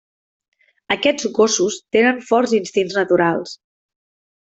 Aquests gossos tenen forts instints naturals.